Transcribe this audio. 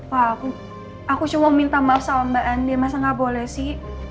pak aku cuma mau minta maaf sama mbak andien masa gak boleh sih